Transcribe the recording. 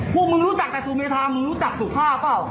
พวกมึงรู้จักแต่สุเมธามึงรู้จักสุภาพเปล่า